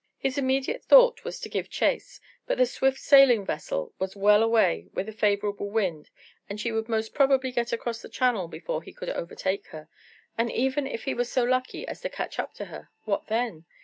His immediate thought was to give chase, but the swift sailing vessel was well away with a favourable wind, and she would most probably get across the Channel before he could overtake her, and even if he were so lucky as to catch up to her, what then?